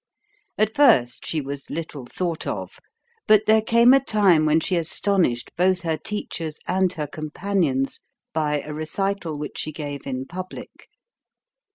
At first she was little thought of; but there came a time when she astonished both her teachers and her companions by a recital which she gave in public.